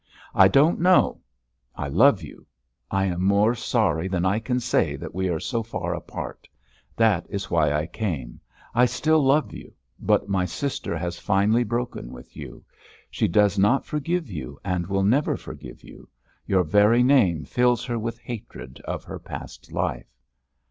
"I don't know. I love you. I am more sorry than I can say that we are so far apart. That is why I came. I still love you, but my sister has finally broken with you. She does not forgive you and will never forgive you. Your very name fills her with hatred of her past life."